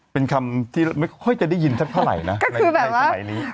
เป็นคำที่ไม่ค่อยจะได้ยินสักเท่าไหร่นะในสมัยนี้